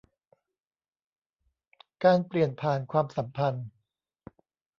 การเปลี่ยนผ่านความสัมพันธ์